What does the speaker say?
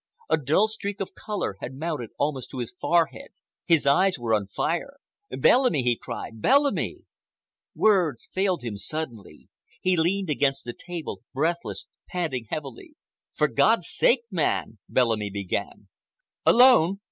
A dull streak of color had mounted almost to his forehead, his eyes were on fire. "Bellamy!" he cried. "Bellamy!" Words failed him suddenly. He leaned against the table, breathless, panting heavily. "For God's sake, man," Bellamy began,— "Alone!"